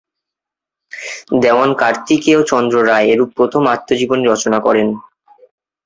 দেওয়ান কার্তিকেয়চন্দ্র রায় এরূপ প্রথম আত্মজীবনী রচনা করেন।